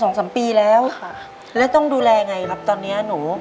เป็นมา๒๓ปีแล้วแล้วต้องดูแลยังไงครับตอนนี้หนู